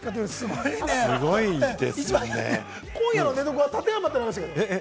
今夜の寝床は立山ってありましたけれども。